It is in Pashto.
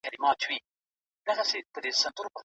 هغې پرېښوده چې پانګه یې ورو ورو لویه شي.